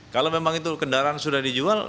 kalau memang itu kendaraan sudah dijual